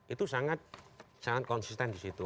itu sangat konsisten di situ